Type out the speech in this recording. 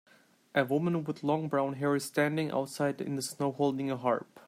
A woman with long brown hair is standing outside in the snow holding a harp.